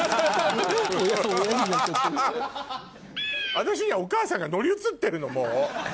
私にはお母さんが乗り移ってるのもう！